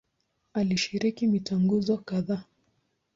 Alishiriki mitaguso kadhaa.